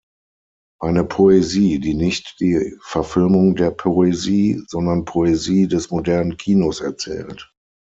Eine Poesie, die nicht die Verfilmung der Poesie, sondern Poesie des modernen Kinos erzählt.